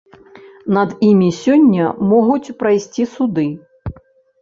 Над імі сёння могуць прайсці суды.